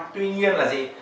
tuy nhiên là gì